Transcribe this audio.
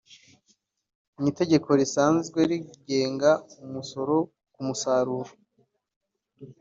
Mu itegeko risanzwe rigenga umusoro ku musaruro